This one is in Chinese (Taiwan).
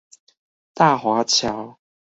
大華橋